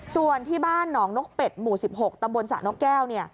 ชวนที่บ้านหนองนกเป็ดหมู่๑๖ตะบนสระนกแก้ว